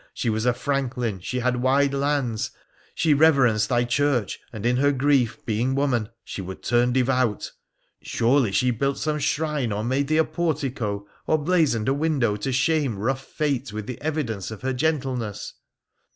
She was a franklin, she had wide lands ; «he reverenced thy Church, and in her grief, being woman, she would turn devout. Surely she built some shrine, or made thee a portico, or blazoned a window to shame rough Fate with the evidence of her gentleness